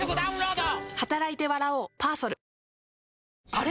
あれ？